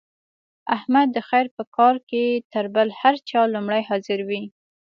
احمد د خیر په کار کې تر بل هر چا لومړی حاضر وي.